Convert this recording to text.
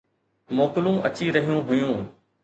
موڪلون اچي رهيون هيون.